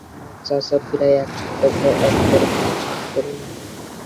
আমার চাচা প্রায় এক সপ্তাহ ধরে একবারও প্রস্রাব করে না।